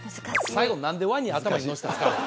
最後何でワニ頭に乗せたんすか？